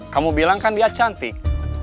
kamu bilang kan dia cantik